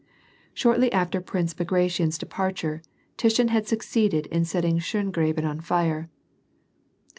Shortly after Prince Bagration's departure, Tushin had suc ceeded in setting Schongraben on tire.